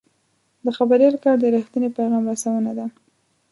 د خبریال کار د رښتیني پیغام رسونه ده.